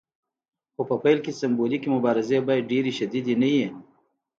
نو په پیل کې سمبولیکې مبارزې باید ډیرې شدیدې نه وي.